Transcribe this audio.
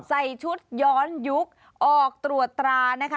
ใส่ชุดย้อนยุคออกตรวจตรานะคะ